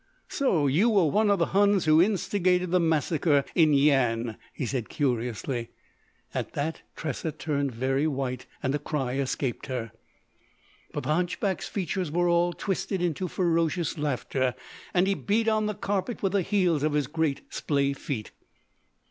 "So you were one of the huns who instigated the massacre in Yian," he said, curiously. At that Tressa turned very white and a cry escaped her. But the hunchback's features were all twisted into ferocious laughter, and he beat on the carpet with the heels of his great splay feet.